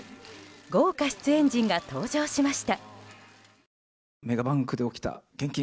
豪華出演陣が登場しました。